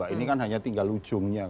ini kan hanya tinggal ujungnya